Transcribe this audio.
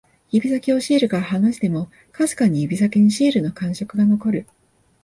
指先をシールから離しても、かすかに指先にシールの感触が残る